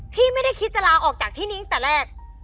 พี่ไม่ได้คิดจะลาออกจากที่นิ้งแต่แรก